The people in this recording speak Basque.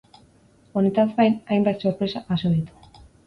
Honetaz gain, hainbat sorpresa jaso ditu.